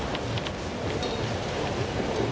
ถือว่าชีวิตที่ผ่านมายังมีความเสียหายแก่ตนและผู้อื่น